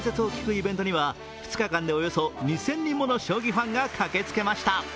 イベントには２日間でおよそ２０００人もの将棋ファンが駆けつけました。